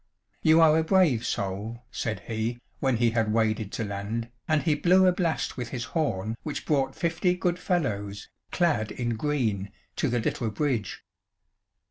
"You are a brave soul," said he, when he had waded to land, and he blew a blast with his horn which brought fifty good fellows, clad in green, to the little bridge.